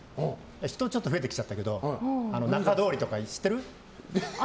人ちょっと増えてきちゃったけど中通りとか知ってる？